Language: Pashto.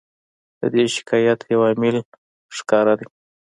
د دې شکایت یو عامل ښکاره دی.